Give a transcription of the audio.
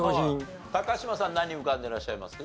嶋さん何浮かんでいらっしゃいます？